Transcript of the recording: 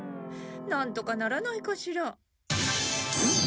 なんとかならないかしら。